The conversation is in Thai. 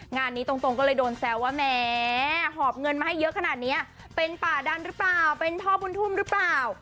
งานนี้ตรงก็เลยโดนแซวว่าแหมหอบเงินมาให้เยอะขนาดนี้เป็นป่าดันหรือเปล่าเป็นพ่อบุญทุ่มหรือเปล่า